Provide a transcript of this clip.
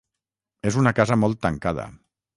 És una casa molt tancada.